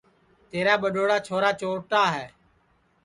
تیرا ٻڈؔوڑا چھورا چورٹا ہے